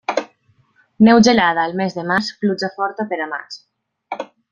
Neu gelada al mes de març, pluja forta per a maig.